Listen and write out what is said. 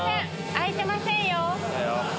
開いてませんよ。